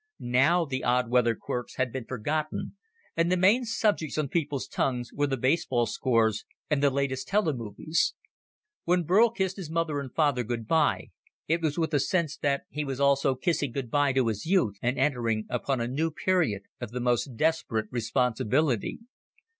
Now the odd weather quirks had been forgotten, and the main subjects on people's tongues were the baseball scores and the latest telemovies. When Burl kissed his mother and father good by, it was with a sense that he was also kissing good by to his youth, and entering upon a new period of the most desperate responsibility.